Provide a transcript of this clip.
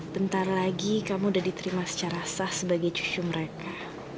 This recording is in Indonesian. bentar lagi kamu udah diterima secara sah sebagai cucu mereka